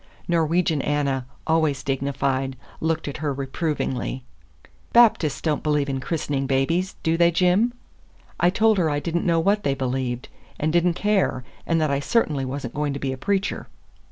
Norwegian Anna, always dignified, looked at her reprovingly. "Baptists don't believe in christening babies, do they, Jim?" I told her I did n't know what they believed, and did n't care, and that I certainly was n't going to be a preacher.